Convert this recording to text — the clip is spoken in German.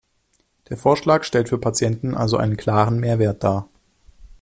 Der Vorschlag stellt für Patienten also einen klaren Mehrwert dar.